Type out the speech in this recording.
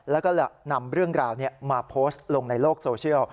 แล้วก็นำเรื่องราวมาโพสต์ลงในโลกโซเชียล